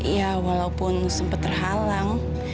ya walaupun sempet terhalang